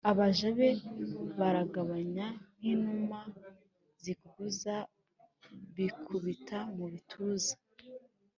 abaja be baraganya nk’inuma ziguguza bikubita mu bituza.